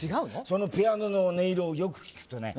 そのピアノの音色をよく聴くとね